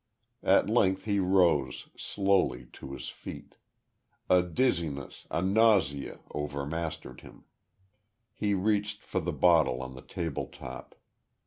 At length he rose, slowly, to his feet. A dizziness a nausea overmastered him. He reached for the bottle on the table top.